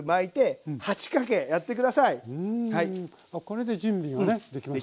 あこれで準備がねできました。